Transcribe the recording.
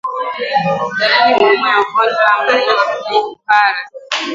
Dalili muhimu ya ugonjwa wa minyoo ni kuhara